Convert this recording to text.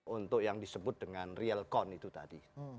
untuk yang disebut dengan realcon itu tadi